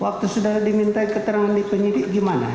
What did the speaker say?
waktu sudah diminta keterangan di penyidik gimana